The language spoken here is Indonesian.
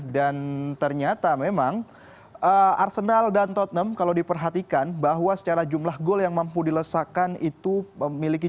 dan ternyata memang arsenal dan tottenham kalau diperhatikan bahwa secara jumlah gol yang mampu dilesakan itu memiliki jumlahnya